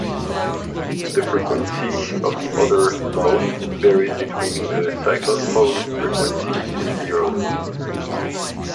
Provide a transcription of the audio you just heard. The frequency of the other mode varies between the cyclotron frequency and zero.